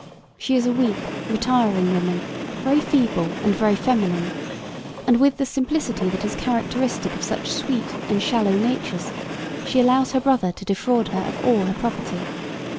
She is a weak, retiring woman, very feeble and very feminine, and with the simplicity that is characteristic of such sweet and shallow natures she allows her brother to defraud her of all her property.